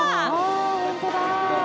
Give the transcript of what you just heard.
本当だ。